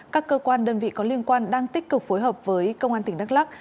các cơ quan đơn vị có liên quan đang tích cực phối hợp với công an tỉnh đắk lắc